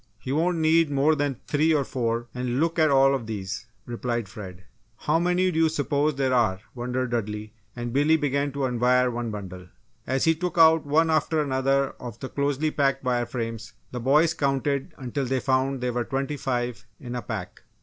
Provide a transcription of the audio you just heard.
"He won't need more than three or four and look at all of these," replied Fred. "How many do you s'pose there are," wondered Dudley, and Billy began to unwire one bundle. As he took out one after another of the closely packed wire frames the boys counted until they found there were twenty five in a pack.